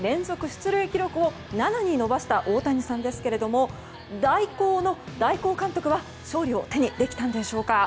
出塁記録を７に伸ばした大谷さんですが代行の代行監督は勝利を手にできたんでしょうか。